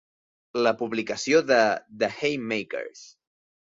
La publicació de "The Haymakers".